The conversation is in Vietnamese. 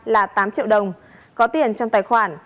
là tám triệu đồng có tiền trong tài khoản